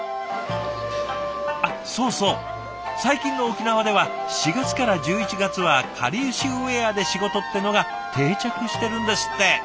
あっそうそう最近の沖縄では４月から１１月はかりゆしウェアで仕事ってのが定着してるんですって！